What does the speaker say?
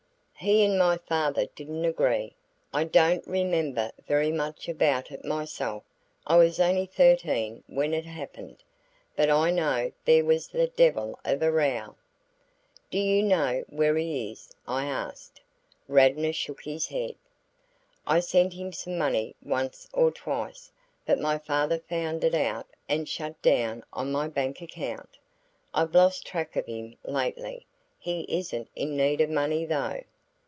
"He and my father didn't agree. I don't remember very much about it myself; I was only thirteen when it happened. But I know there was the devil of a row." "Do you know where he is?" I asked. Radnor shook his head. "I sent him some money once or twice, but my father found it out and shut down on my bank account. I've lost track of him lately he isn't in need of money though.